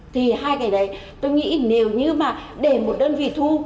thì hai cái đấy tôi nghĩ nếu như mà để một đơn vị thu